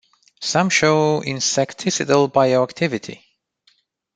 Some show insecticidal bioactivity.